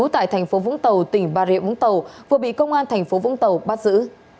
tại thành phố vũng tàu tỉnh bà rịa vũng tàu vừa bị công an thành phố vũng tàu bắt giữ